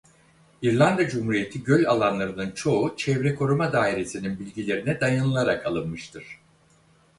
İrlanda Cumhuriyeti göl alanlarının çoğu Çevre Koruma Dairesi'nin bilgilerine dayanılarak alınmıştır.